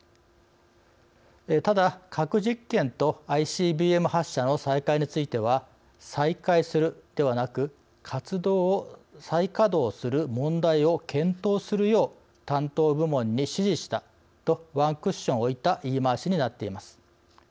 ただ核実験とＩＣＢＭ発射の再開については再開するではなく活動を再稼働する問題を検討するよう担当部門に指示したとワンクッション置いた言い回しになっています。